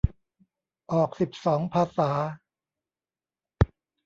ออกสิบสองภาษา